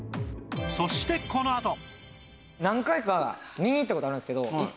そしてこのあと何回か見に行った事あるんですけど。